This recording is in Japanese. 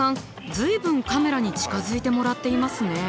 随分カメラに近づいてもらっていますね。